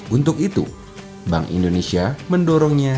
untuk itu bank indonesia mendorongnya